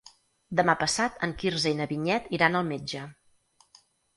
Demà passat en Quirze i na Vinyet iran al metge.